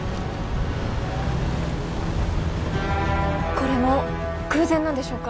これも偶然なんでしょうか？